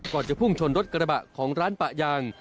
จะพุ่งชนรถกระบะของร้านปะยาง